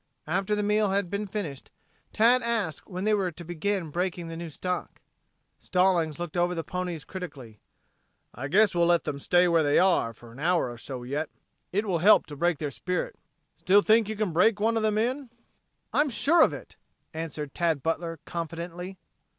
After the meal had been finished Tad asked when they were to begin breaking the new stock. Stallings looked over the ponies critically. "I guess we'll let them stay where they are, for an hour or so yet. It will help to break their spirit. Still think you can break one of them in?" "I am sure of it," answered Tad Butler confidently.